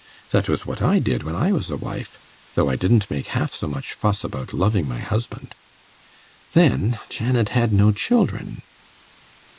That was what I did when I was a wife, though I didn't make half so much fuss about loving my husband. Then, Janet had no children.